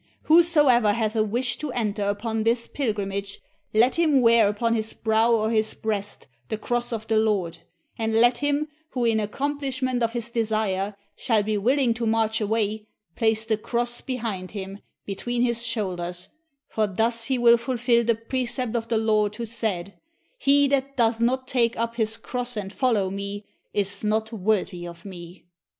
Whosoever hath a wish to enter upon this pilgrimage, let him wear upon his brow or his breast the cross of the Lord, and let him, who in accomplishment of his desire, shall be willing to march away, place the 609 PALESTINE cross behind him, between his shoulders; for thus he will fulfill the precept of the Lord, who said, 'He that doth not take up his cross and follow Me, is not worthy of Me.'